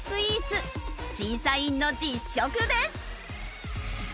審査員の実食です。